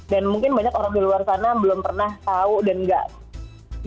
dan mungkin banyak orang di luar sana belum pernah tahu dan gak paham apa sih sebenarnya gue